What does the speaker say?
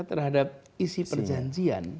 terhadap isi perjanjian